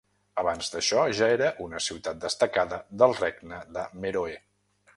Abans d'això ja era una ciutat destacada del regne de Meroe.